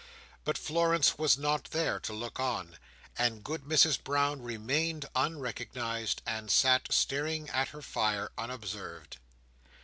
But Florence was not there to look on; and Good Mrs Brown remained unrecognised, and sat staring at her fire, unobserved.